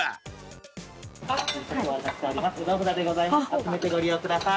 集めてご利用ください。